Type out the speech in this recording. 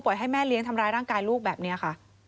ให้แม่เลี้ยงทำร้ายร่างกายลูกแบบนี้ค่ะ